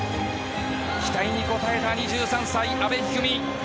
期待に応えた２３歳阿部一二三。